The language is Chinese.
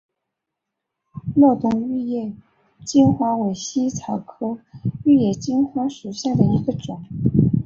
乐东玉叶金花为茜草科玉叶金花属下的一个种。